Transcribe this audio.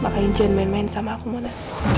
makanya jangan main main sama aku mona